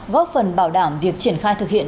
góp phần bảo đảm việc triển khai thực hiện